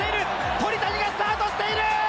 鳥谷がスタートしている！